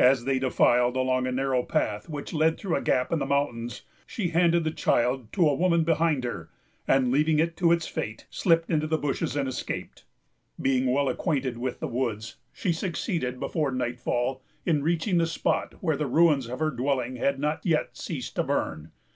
As they defiled along a narrow path which led through a gap in the mountains, she handed the child to the woman behind her, and, leaving it to its fate, slipped into the bushes and escaped. Being well acquainted with the woods, she succeeded, before nightfall, in reaching the spot where the ruins of her dwelling had not yet ceased to burn.